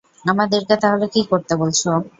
আমাদেরকে তাহলে কী করতে বলছ?